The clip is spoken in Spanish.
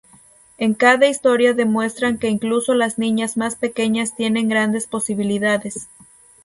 En cada historia demuestran que incluso las niñas más pequeñas tienen grandes posibilidades.